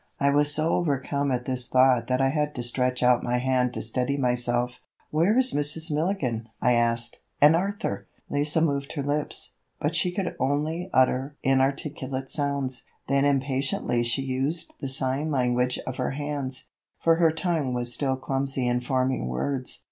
I was so overcome at this thought that I had to stretch out my hand to steady myself. "Where is Mrs. Milligan?" I asked, "and Arthur?" Lise moved her lips, but she could only utter inarticulate sounds, then impatiently she used the language of her hands, for her tongue was still clumsy in forming words.